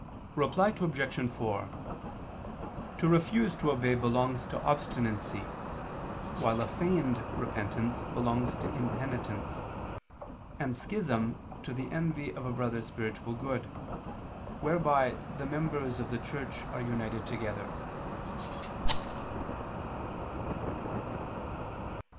Reply Obj. 4: To refuse to obey belongs to obstinacy, while a feigned repentance belongs to impenitence, and schism to the envy of a brother's spiritual good, whereby the members of the Church are united together.